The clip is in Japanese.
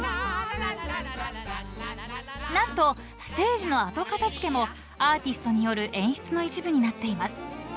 ［何とステージの後片付けもアーティストによる演出の一部になっています］